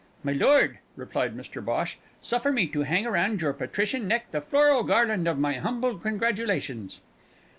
"My lord," replied Mr Bhosh, "suffer me to hang around your patrician neck the floral garland of my humble congratulations."